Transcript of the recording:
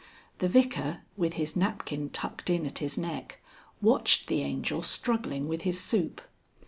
The Vicar, with his napkin tucked in at his neck, watched the Angel struggling with his soup.